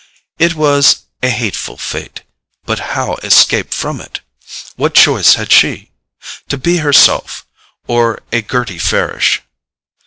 It was a hateful fate—but how escape from it? What choice had she? To be herself, or a Gerty Farish.